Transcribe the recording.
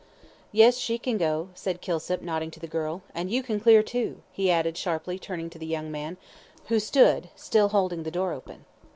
"Yes, she can go." said Kilsip, nodding to the girl, "and you can clear, too," he added, sharply, turning to the young man, who stood still holding the door open.